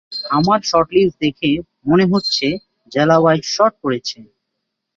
আমার লিস্ট দেখে মনে হচ্ছে জেলা ওয়াইজ শর্ট করেছে।